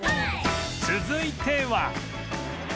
続いては